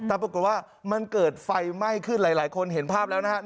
แต่ปรากฏว่ามันเกิดไฟไหม้ขึ้นหลายคนเห็นภาพแล้วนะครับ